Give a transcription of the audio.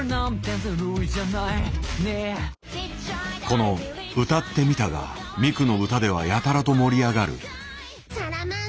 この「歌ってみた」がミクの歌ではやたらと盛り上がる。